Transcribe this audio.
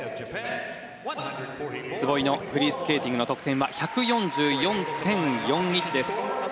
壷井のフリースケーティングの得点は１４４．４１です。